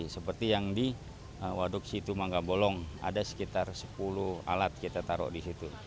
seperti yang di waduk situ mangga bolong ada sekitar sepuluh alat kita taruh di situ